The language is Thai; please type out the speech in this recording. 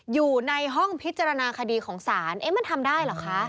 อยู่ในห้องพิจารณาคดีของศาลเอ๊ะมันทำได้เหรอคะ